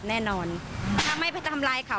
บริเวณหน้าสารพระการอำเภอเมืองจังหวัดลบบุรี